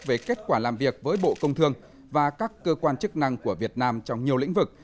về kết quả làm việc với bộ công thương và các cơ quan chức năng của việt nam trong nhiều lĩnh vực